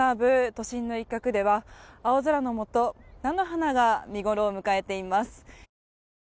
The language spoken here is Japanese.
都心の一角では青空のもと菜の花が見ごろを迎えています。